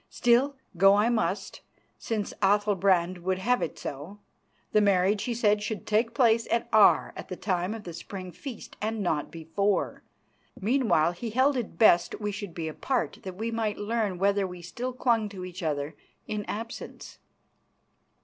Still, go I must, since Athalbrand would have it so. The marriage, he said, should take place at Aar at the time of the Spring feast, and not before. Meanwhile he held it best we should be apart that we might learn whether we still clung to each other in absence.